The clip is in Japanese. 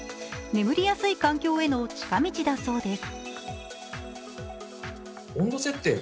眠りやすい環境への近道だそうです。